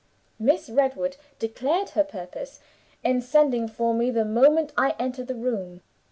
Miss Redwood declared her purpose in sending for me the moment I entered the room.